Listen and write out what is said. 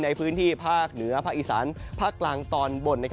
ในพื้นที่ภาคเหนือภาคอีสานภาคกลางตอนบน